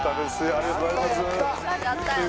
ありがとうございます。